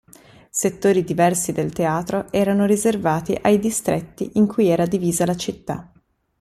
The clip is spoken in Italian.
Settori diversi del teatro erano riservati ai distretti in cui era divisa la città.